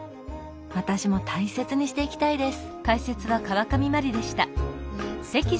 私も大切にしていきたいです。